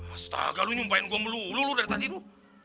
astaga lu nyumpain gue melulu lu dari tadi lu